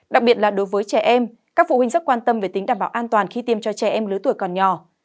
đặc biệt là đối với trẻ em các phụ huynh rất quan tâm về tính đảm bảo an toàn khi tiêm cho trẻ em lứa tuổi còn nhỏ